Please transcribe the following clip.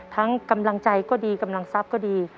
กำลังใจก็ดีกำลังทรัพย์ก็ดี